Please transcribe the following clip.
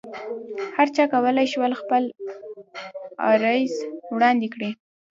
هرچا کولای شول خپل عرایض وړاندې کړي.